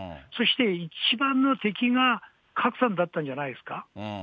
そして一番の敵が、角さんだったんじゃないですか。